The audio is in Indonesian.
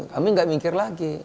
kami enggak mikir lagi